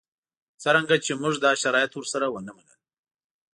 څرنګه چې موږ دا شرایط ورسره ونه منل.